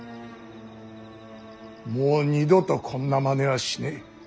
もう二度とこんなまねはしねえ。